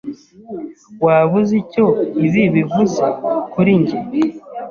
Waba uzi icyo ibi bivuze kuri njye?